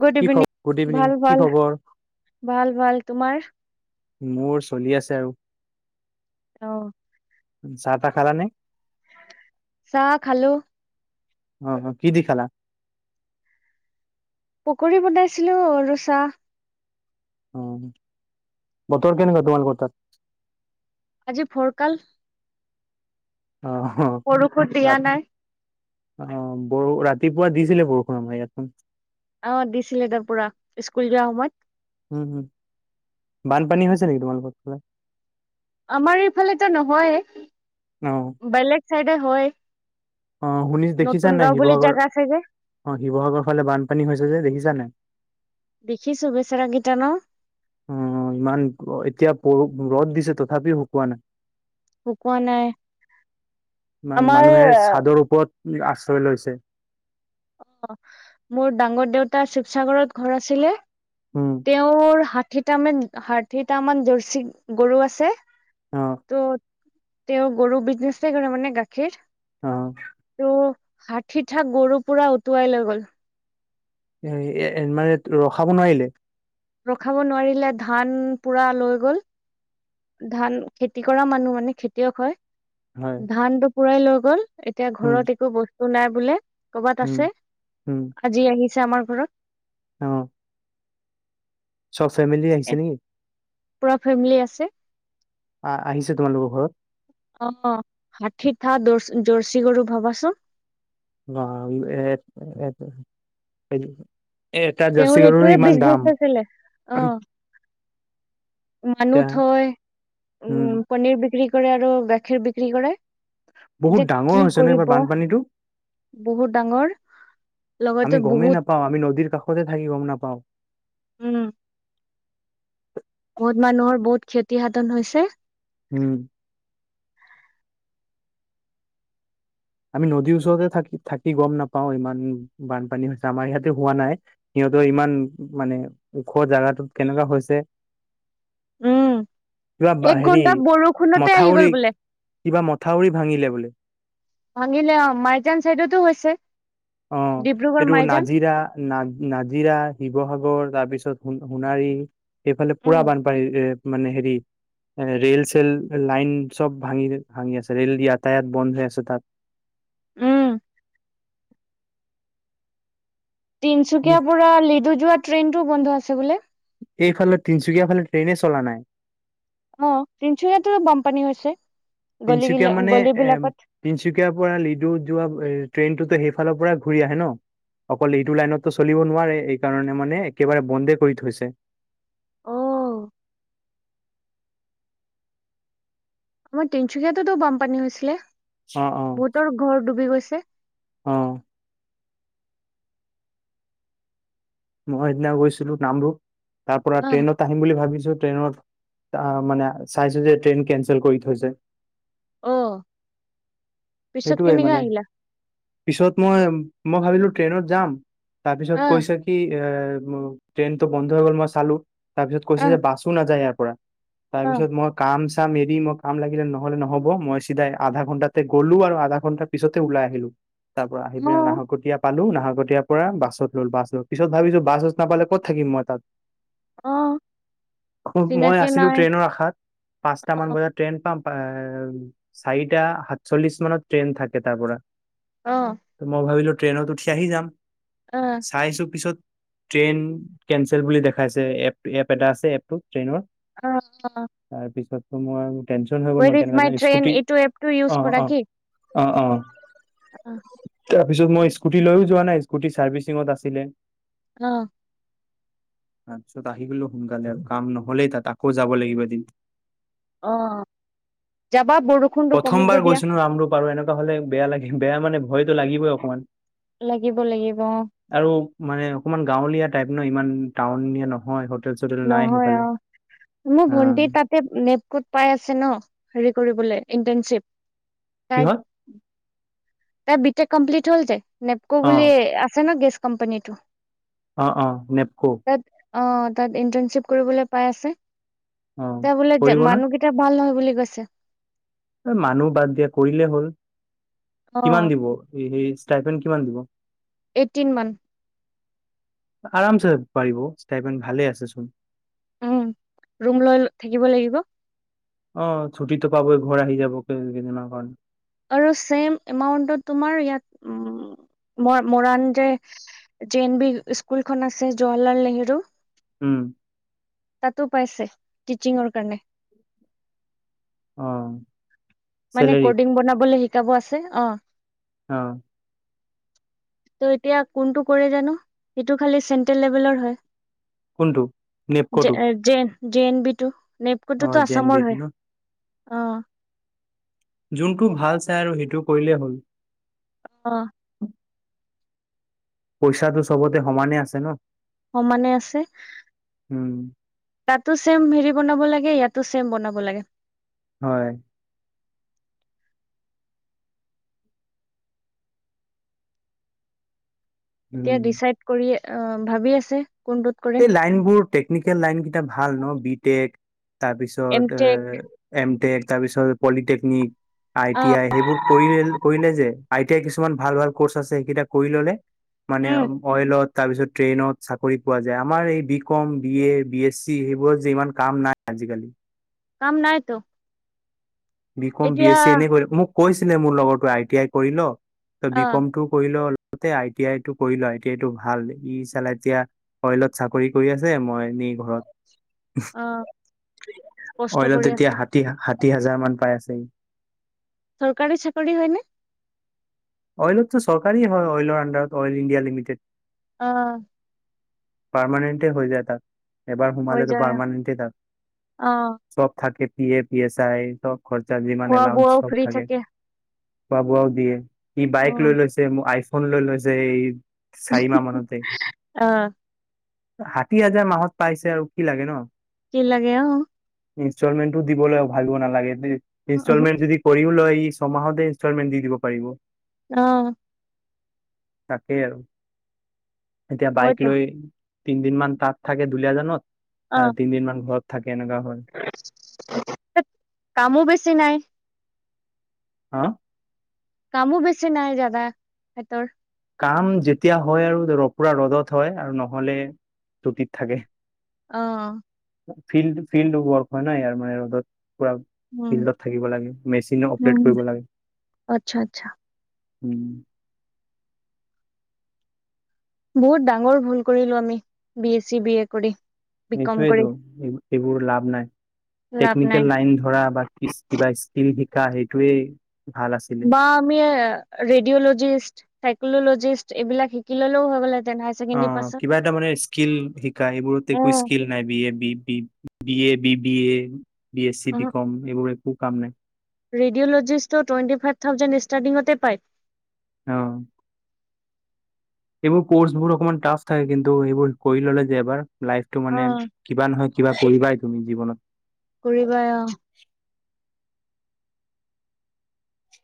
Good কি evening, খবৰ good evening ভাল কি ভাল, খবৰ ভাল ভাল। তোমাৰ? মোৰ চলি আছে আৰু। অ'। চাহ টা খালা নে? চাহ খালোঁ। অ, অ, কি দি খালা? পকৰি বনাইছিলোঁ আৰু চাহ। উম, বতৰ কেনেকুৱা তোমালোকৰ তাত? আজি ফৰকাল। অ, হ। বৰষুণ দিয়া নাই। অ, বৰ ৰাতিপুৱা দিছিলে বৰষুণ, আমাৰ ইয়াতে। অ, দিছিলে তাৰ পুৰা স্কুল যোৱা সময়ত। উম, উম, বানপানী হৈছে নেকি তোমালোকৰ ফালে? আমাৰ এইফালেটো নহয়ে। অ। বেলেগ চাইডে হয়। অ শুনি দেখিছা নতুন নাই গাঁও বুলি শিৱসাগৰ জেগা আছে যে। অ, শিৱসাগৰ ফালে বানপানী হৈছে যে দেখিছানে নাই? দেখিছোঁ। বেচৰাকিটা ন। অ, ইমান এতিয়া প, ৰদ দিছে তথাপিও শুকোৱা নাই। শুকুৱা নাই। মান- আমাৰ মানুহে চাদৰ ওপৰত আশ্ৰয় লৈছে। অ, মোৰ ডাঙৰ দেউতাৰ শিৱসাগৰত ঘৰ আছিলে। উম। তেওঁৰ ষাঠিটামান- ষাঠিটামান জাৰ্চি গৰু আছে। অ। ত' তেওঁ গৰু বিজনেচেই কৰে মানে, গাখীৰ অ টো ষাঠিটা গৰু পুৰা উটুৱাই লৈ গ'ল। এ- এ, মানে ৰখাব নোৱাৰিলে? ৰখাব নোৱাৰিলে, ধান পুৰা লৈ গ'ল। ধান খেতি কৰা মানুহ, মানে খেতিয়ক হয়। হয় ধান টো পুৰাই লৈ গ'ল। এতিয়া উম ঘৰত একো বস্তু নাই বোলে, কৰ'বাত উম আছে। উম আজি আহিছে আমাৰ ঘৰত। অ। চব ফেমিলি এ আহিছে নেকি? পুৰা ফেমিলি আছে। অ, অ, আহিছে তোমালোকৰ ঘৰত? অ, অ, ষাঠিটা দ জাৰ্চি গৰু ভাবাচোন? অ, এ, হে, সেইটোৱে। এ এটা তেওঁৰ জাৰ্চি গৰুৰো এইটোয়ে ইমান বিজনেচ দাম। আছিলে অ মানুহ এতিয়া থৈ, উম, পনীৰ বিক্ৰী কৰে আৰু গাখীৰ বিক্ৰী কৰে। বহুত এতিয়া ডাঙৰ কি হৈছে ন এইবাৰ কৰিব, বানপানীটো বহুত ডাঙৰ। লগতে আমি গমেই বহুত নাপাওঁ, আমি নদীৰ কাষতে থাকি গম নাপাওঁ। উম। বহুত মানুহৰ, বহুত ক্ষতি সাধন হৈছে। উম। আমি নদীৰ ওচৰতে থাকি- থাকি গম নাপাও। ইমান বানপানী হৈছে আমাৰ ইয়াতে হোৱা নাই। সিহঁতৰ ইমান মানে ওখ জাগাটোত কেনেকুৱা হৈছে। উম, পুৰা কিবা এক হেৰি ঘন্টা বৰষুণতে আহি গ'ল মথাউৰি। বোলে। কিবা মথাউৰি ভাঙিলে বোলে। ভাঙিলে আ। মাইজান চাইডতো হৈছে। অ, ডিব্ৰুগড় এইটো মাইজান। নাজিৰা। না নাজিৰা, শিৱসাগৰ তাৰপিছত সোণাৰী সেইফালে পুৰা উম, বানপানী এ মানে হেৰি এ ৰেল চেল লাইন চব ভাঙি ভাঙি আছে ৰেল যাতায়াত বন্ধ হৈ আছে তাত। উম। তিনচুকীয়াৰ পৰা লিডু যোৱা ট্ৰেইন টোও বন্ধ আছে বোলে? এইফালে তিনিচুকীয়া ফালে ট্ৰেইনে চলা নাই। অঁ তিনিচুকিয়াতো বানপানী হৈছে গলি গলি গলিবিলাকত। তিনিচুকীয়াৰ পৰা লিডু যোৱা ট্ৰেইনটোতো সেইফালৰ পৰা ঘূৰি আহে ন। অকল এইটো লাইনতো চলিব নোৱাৰে এই কাৰণে মানে একেবাৰে বন্ধে কৰি থৈছে। অ। আমাৰ তিনচুকীয়াতো বানপানী হৈছিলে অ অ বহুতৰ ঘৰ ডুবি গৈছে। অ। মই সেইদিনা গৈছিলো নামৰূপ তাৰপৰা অ, ট্ৰেইনত আহিম বুলি ভাবিছো ট্ৰেইনত আহ মানে চাইছো যে ট্ৰেইন কেনচেল কৰি থৈছে। অ, পিছত সেইটোৱে কেনেকে মানে আহিলা? পিছত মই, মই ভাবিলো ট্ৰেইনত যাম তাৰ অ, পিছত কৈছে কি এ ট্ৰেইনটো বন্ধ হৈ গ'ল মই চালো তাৰপিছত কৈছে অ, যে বাছো নাযায় ইয়াৰ পৰা। অ, তাৰপিছত মই কাম চাম এৰি মই কাম লাগিলে নহ'লে নহ'ব মই চিধাই আধা ঘণ্টাতে গলো আৰু আধা ঘণ্টাৰ পিছতে ওলাই আহিলো তাৰ পৰা আহি অ, পিনে নাহৰকটীয়া পালো নাহৰকটীয়া পৰা বাছত ললো বাছত পিছত ভাবিছো বাছ চাছ নাপালে কত থাকিম মই তাত। অ, মই চিনাকি আছিলো নাই ট্ৰেইনৰ আশাত। অ, পাঁচটামান বজাত ট্ৰেইন পাম এ চাৰিটা সাতচল্লিশ মানত ট্ৰেইন থাকে তাৰ পৰা। অঁ। মই ভাবিলো ট্ৰেনত উঠি আহি যাম। অ। চাইছো পিছত ট্ৰেইন কেনচেল বুলি দেখাইছে এপ এটা আছে এপটো ট্ৰেইনৰ। অ অ। তাৰপিছত তো মই টেনচন হৈ গল ৱেৰ মই ইজ কেনেকে মাই যাম ট্ৰেইন স্কুতি এইটো এপটো ইউজ অ অ অ অ। অ তাৰপিছত মই স্কুটি লৈও যোৱা নাই স্কুটি চাৰ্ভিচিঙত আছিলে। অ। তাৰপিছত আহি গলো সোনকালে আৰু কাম নহলেই তাত আকৌ যাব লাগিব এদিন। অঁ যাবা বৰষুণটো কমিব দিয়া। বাৰু এনেকুৱা হ'লে বেয়া লাগে বেয়া মানে ভয়টো লাগিবই অকণমান। লাগিব লাগিব অঁ। আৰু মানে অকমান গাঁৱলীয়া টাইপ ন ইমান টাউনিয়া নহয় হোটেল চোটেল নাই নহয় সেইফালে অঁ, মোৰ অ ভণ্টি তা তে নেপকোত পাই আছে ন হেৰি কৰিবলৈ ইন্টাৰণশ্বিপ। তাই, কিহত তাই বিটেক কম্প্লিট হ'ল যে নেপকো অ বুলি আছে ন গেছ কোম্পানীটো অ অ নেপকো তাত অঁ তাত ইণ্টাৰ্ণচিপ কৰিবলে পায় আছে, অ কিবা বোলে কৰিব না মানুহ এতিয়া ভাল নহয় বুলি কৈছে মানুহ বাদ দিয়া কৰিলে হ'ল কিমান অ', দিব সেই ষ্টাইপেন কিমান দিব এইটিন মান আৰামচে পাৰিব ষ্টাইপেন ভালে আছে চোন উম ৰুম লৈ থাকিব লাগিব অ ছুটীটো পাবই ঘৰ আহি যাব কেইদিনমানৰ কাৰণে আৰু ছেম এমাউন্টত তোমাৰ ইয়াত উম মৰাণ যে জে এন বি স্কুলখন আছে জৱাহৰলাল নেহেৰু উম তাতো পাইছে টিচিঙৰ কাৰণে অ মানে চেলেৰী কডিং বনাবলে শিকাব আছে অ অ ত' এতিয়া কোনটো কৰে জানো সেইটো খালি চেন্ট্ৰেল লেভেলৰ হয় কোনটো নেপক'টো জেন জে এন বি টো অ নেপকোটোতো জেন আছামৰ বিত হয় ন অ যোনটো ভাল চাই আৰু সেইটো কৰিলেই হ'ল অ পইচা চবতে সমানে আছে ন সমানে আছে উম তাতো ছেম হেৰি বনাব লাগে ইয়াতো ছেম বনাব লাগে হয় এতিয়া উম ডিচাইড কৰি অ ভাবি আছে কোনটোত কৰে এই লাইন বোৰ টেকনিকেল লাইন কেইটা ভাল ন বি টেক তাৰ এম পিছত এ টেক এম টেক তাৰ পিছত পলিটেকনিক আই অ টি আই সেইবোৰ কৰিলে কৰিলে যে আই টি আই কিছুমান ভাল ভাল ক'ৰ্চ আছে সেইকেইটা কৰি ললে মানে উম অইলত তাৰপিছত ট্ৰেইনত চাকৰিত পোৱা যায় আমাৰ এই B com B A B S C সেইবোৰত যে ইমান কাম নাই আজিকালি কাম নাই তো বি কম, বি এছ চি এনে কৰি মোক কৈছিলে মোৰ লগতো আই টি আই কৰি ল তই অ বি কম টো কৰি ল ততে আই টি আই টো কৰিলো আই টি আই টো ভাল ই চালা এতিয়া অইলত চাকৰি কৰি আছে মই এনে ঘৰত অ কষ্ট কৰি অইলত এতিয়া আছা ষাঠি ষাঠি হাজাৰ মান পাই আছে সি চৰকাৰী চাকৰি হয় নে অইলতো চৰকাৰী হয় অইলৰ আণ্ডাৰত অইল ইণ্ডিয়া লিমিটেড অ পাৰমানেণ্টে হৈ যায় তাত এবাৰ হৈ সোমালে তো যায় অ পাৰমানেণ্টেই তাক অ', চব থাকে P A P S I চব খৰচা যিমান খোৱা এলাউঞ্চ বোৱাও চব ফ্ৰী থাকে খোৱা বোৱাও দিয়ে ই বাইক উম, লৈ লৈছে মোক আইফোন লৈ লৈছে এই চাৰিমাহ মানতে অ ষাঠি হাজাৰ মাহত পাইছে আৰু কি লাগে ন কি লাগে অ ইনষ্টলমেণ্টটো দিবলৈ ভাবিব নালাগে ইনষ্টলমেণ্ট যদি কৰিও লয় ই ছয়মাহতে ইনষ্টলমেন্ট দি দিব পাৰিব। অহ। তাকেই আৰু, এতিয়া বাইক হয়তো লৈ তিনদিন মান তাত থাকে দুলীয়াজানত, আহ অ', তিন দিন মান ঘৰত থাকে এনেকুৱা হয়। [inaudible] কামো বেছি নাই। হা? কামো বেছি নাই দাদা হঁতৰ। কাম যেতিয়া হয় আৰু পোৰা ৰ'দত হয়, আৰু নহলে চুতিত থাকে। অঁ। ফিল্ড ফিল্ড ৱৰ্ক হয় ন ইয়াৰ মানে ৰ'দত পোৰা উম, ফিল্ডত থাকিব লাগে মেচিন উম, অপাৰেট কৰিব লাগে, আচ্ছা, আচ্ছা উম। বহুত ডাঙৰ ভুল কৰিলো আমি B S C, B A কৰি। বি কম কৰি এইটোৱেইতো এইবোৰ লাভ নাই, লাভ নাই টেকনিকেল লাইন ধৰা বা কিছ কিবা স্কিম শিকা সেইটোৱেই বা আমি ৰেডিঅ'লজিষ্ট, চাইকললজিষ্ট এইবিলাক শিকি ললেও হৈ গল হেতেনে অঁ কিবা এটা মানে স্কিল শিকা এইবোৰতে একো অ', স্কিল নাই B A B B A B B A, B S C, BCom এইবোৰৰ একো কাম নাই। ৰেডিঅ'লজিষ্ট টো টোৱেণ্টি ফাইভ থাউজেণ্ড ষ্টাৰ্টিঙতে পায়। অঁ। সেইবোৰ কৰ্চবোৰ অকমান টাফ থাকে কিন্তু এইবোৰ পঢ়ি ল'লে যে এবাৰ লাইফটো মানে অ', কিবা নহয় কিবা কৰিবাই তুমি জীৱনত। কৰিবাই অহ।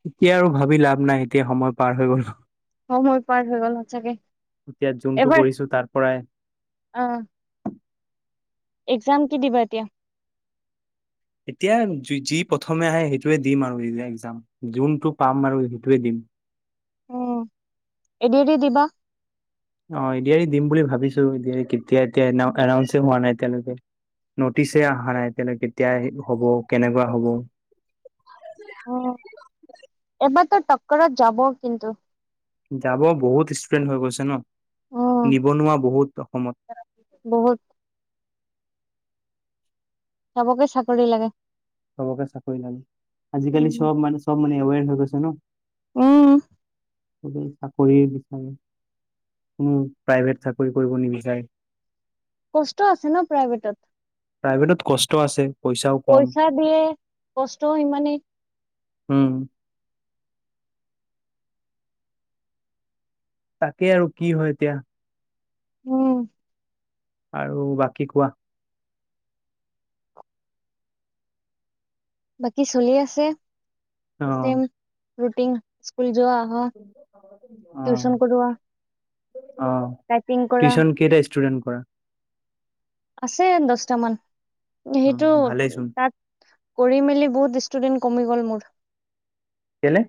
এতিয়া আৰু ভাবি লাভ নাই এতিয়া সময় পাৰ হৈ গ'ল। সময় পাৰ হৈ গল সচাকে, এতিয়া যোনটো এবাৰ কৰিছো তাৰ পৰাই অহ। একজাম কি দিবা এতিয়া? এতিয়া যি প্ৰথমে আহে সেইটোৱে দিম আৰু একজাম, যোনটো পাম আৰু সেইটোৱে দিম। উম এ ডি আৰ ই দিবা? অ এ ডি আৰ ই দিম বুলি ভাবিছো এ ডি আৰ ই কেতিয়া এতিয়া এন্নাউনচে হোৱা নাই এতিয়লৈকে। নটিছে আহা নাই এতিয়ালৈ কেতিয়া হ'ব কেনেকুৱা হ'ব। এবাৰ তো টক্কৰত যাব কিন্তু। যাব বহুত ষ্টুডেন্ট হৈ গৈছে ন, উম, নিবনুৱা বহুত অসমত। বহুত। চবকে চাকৰি লাগে। চবকে চাকৰি লাগে, আজিকালি উম, চব মানে চব মানে এৱেৰ হৈ গৈছে ন। উম। সবেই চাকৰিয়ে বিচাৰে, কোনো প্ৰাইভেট চাকৰি কৰিব নিবিচাৰে। কষ্ট আছে ন প্ৰাইভেটত। প্ৰাইভেটত কষ্ট আছে পইচাও কম পইচা দিয়ে কষ্ট সিমানেই। উম। তাকে আৰু কি হয় এতিয়া। উম। আৰু বাকী কোৱা। বাকী চলি আছে, অ চেম ৰুটিন স্কুল যোৱা। আহা অহ টিউচন কৰোৱা অহ। টাইপিং কৰা টিউশ্যন কেইটা ষ্টুডেন্ট কৰা। আছে দছটামান অ সেইটো ভালেইচোন তাত। কৰি মেলি বহুত ষ্টুডেণ্ট কমি গ'ল মোৰ। কেলে।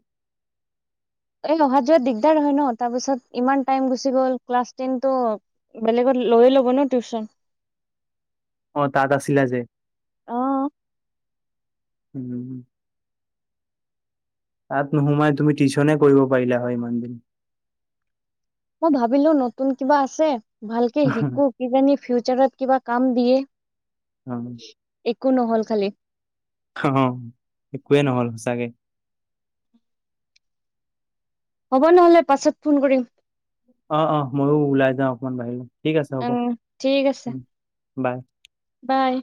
এই অহা যোৱা দিগদাৰ হয় ন তাৰ পিছত ইমান টাইম গুচি গল ক্লাছ টেনটো। বেলেগত লৈয়ে ল'ব ন টিউশ্যন। অ' তাত আছিলা যে। অ উম্ উম্। তাত নোসোমাই তুমি টিউশনে কৰিব পাৰিলা হয়, ইমান দিনে। মই ভাবিলোঁ নতুন কিবা আছে, ভালকে শিকোঁ। অ', কিজানি ফিউচাৰত কিবা কাম দিয়ে। অ'। একো নহ'ল খালি। অ', একোৱে নহ'ল সঁচাকে। হ'ব নহ'লে, পাছত ফোন কৰিম। অ' অ', মইয়ো ওলাই যাওঁ অকণমান বাহিৰলৈ। ঠিক আছে হ'ব। উম ঠিক আছে বাই। বাই।